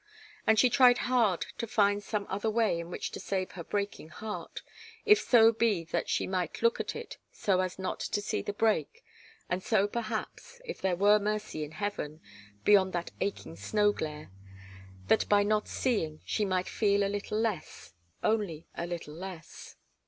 And she tried hard to find some other way in which to save her breaking heart if so be that she might look at it so as not to see the break, and so, perhaps if there were mercy in heaven, beyond that aching snow glare that by not seeing she might feel a little less, only a little less.